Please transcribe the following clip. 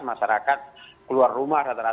masyarakat keluar rumah